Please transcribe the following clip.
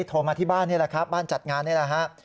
โทรมาที่บ้านนี่แหละครับบ้านจัดงานนี่แหละครับ